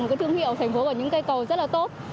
một cái thương hiệu thành phố ở những cây cầu rất là tốt